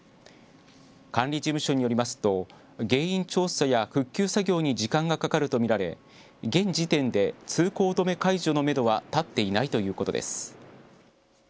管理事務所によりますと原因調査や復旧作業に時間がかかると見られ現時点で通行止め解除のめどは立っていないということです。